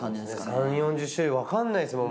３４０種類わからないですもん。